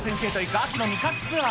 秋の味覚ツアー。